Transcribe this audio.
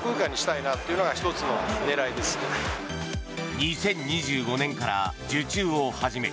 ２０２５年から受注を始め